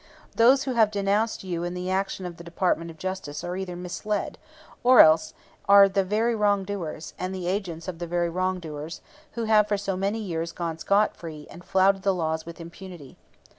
Those who have denounced you and the action of the Department of Justice are either misled, or else are the very wrongdoers, and the agents of the very wrongdoers, who have for so many years gone scot free and flouted the laws with impunity.